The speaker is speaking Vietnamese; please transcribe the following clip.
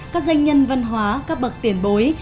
các danh nhân văn hóa các bậc tiền bối